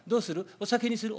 お湯にする？